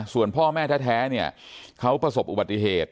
ส่วนพ่อแม่แท้เนี่ยเขาประสบอุบัติเหตุ